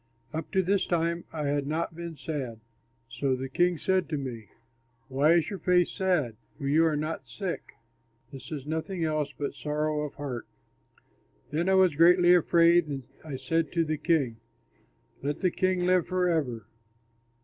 Up to this time I had not been sad; so the king said to me, "Why is your face sad, for you are not sick? This is nothing else but sorrow of heart." Then I was greatly afraid, and I said to the king, "Let the king live forever!